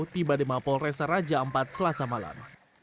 tiba di mapol res raja ampat selasa malam